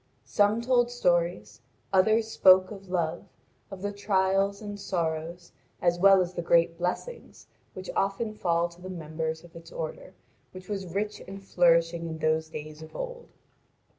Some told stories; others spoke of love, of the trials and sorrows, as well as of the great blessings, which often fall to the members of its order, which was rich and flourishing in those days of old.